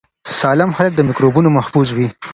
سالم خلک له میکروبونو محفوظ وي.